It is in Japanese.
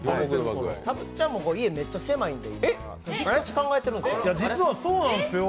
たぶっちゃんも家、めっちゃ狭いんで引っ越し考えてるんですよ。